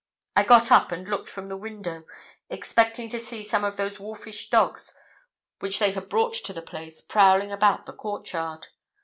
I got up, and looked from the window, expecting to see some of those wolfish dogs which they had brought to the place prowling about the court yard.